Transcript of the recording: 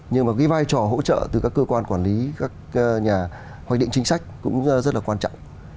nhưng mà cái vai trò hỗ trợ từ các cơ quan quản lý các nhà hoạch định chính sách cũng rất là quan trọng